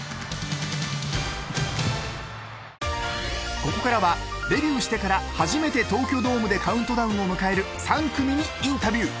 ［ここからはデビューしてから初めて東京ドームでカウントダウンを迎える３組にインタビュー］